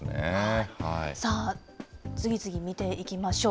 さあ、次々見ていきましょう。